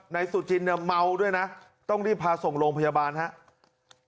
นายสุจินเนี่ยเมาด้วยนะต้องรีบพาส่งโรงพยาบาลครับ